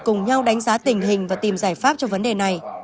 cùng nhau đánh giá tình hình và tìm giải pháp cho vấn đề này